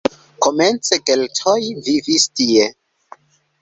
Komence keltoj vivis tie.